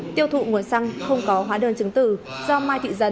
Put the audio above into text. tiêu thụ nguồn xăng không có hóa đơn chứng từ do mai thị dần